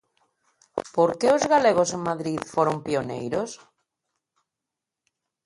Por que os galegos en Madrid foron pioneiros?